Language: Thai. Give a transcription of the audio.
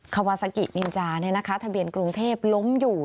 คาวาซากินินจาทะเบียนกรุงเทพล้มอยู่